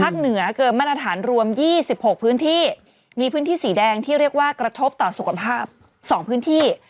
เหนือเกินมาตรฐานรวม๒๖พื้นที่มีพื้นที่สีแดงที่เรียกว่ากระทบต่อสุขภาพ๒พื้นที่